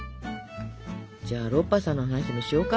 じゃあロッパさんの話でもしようか。